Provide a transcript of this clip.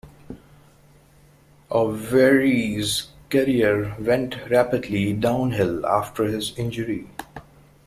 Avery's career went rapidly downhill after his injury.